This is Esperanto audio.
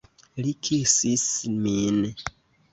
Li kisis min.